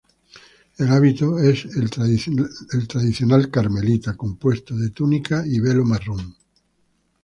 El hábito es el tradicional carmelita, compuesto de túnica y velo marrón.